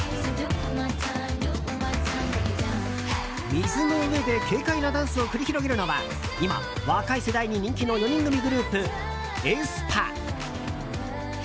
水の上で軽快なダンスを繰り広げるのは今、若い世代に人気の４人組グループ、ａｅｓｐａ。